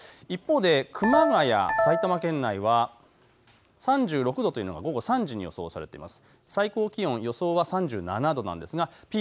一方で熊谷、埼玉県内は３６度というのが午後３時に予想されています。